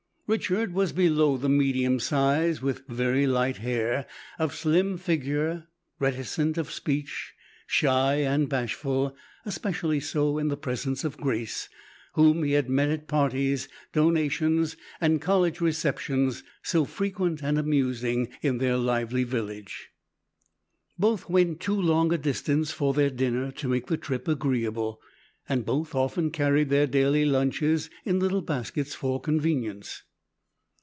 Richard was below the medium size, with very light hair, of slim figure, reticent of speech, shy and bashful, especially so in the presence of Grace, whom he met at parties, donations, and college receptions, so frequent and amusing in their lively village. Both went too long a distance for their dinner to make the trip agreeable, and both often carried their daily lunches in little baskets for convenience.